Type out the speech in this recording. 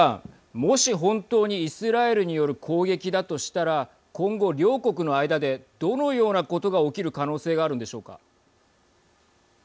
もし本当にイスラエルによる攻撃だとしたら今後、両国の間でどのようなことが起きる可能性があるんでしょうか。